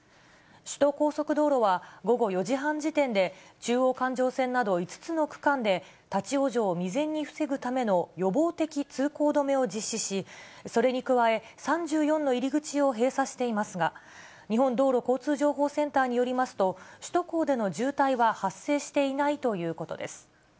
首都高速道路は、午後４時半時点で、中央環状線など５つの区間で、立往生を未然に防ぐための予防的通行止めを実施し、それに加え、３４の入り口を閉鎖していますが、日本道路交通情報センターによりますと、首都高での渋滞は発生していないということです。